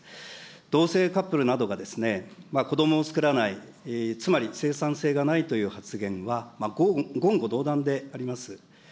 同性カップルなどがですね、子どもをつくらない、つまり生産性がないという発言は、言語道断であります。